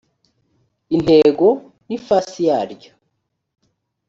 intego n ifasi yaryo